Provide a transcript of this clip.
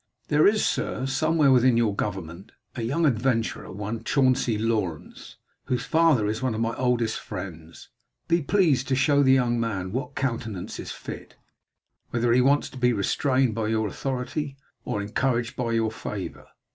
There is, Sir, somewhere within your government, a young adventurer, one Chauncey Lawrence, whose father is one of my oldest friends. Be pleased to shew the young man what countenance is fit, whether he wants to be restrained by your authority, or encouraged by your favour.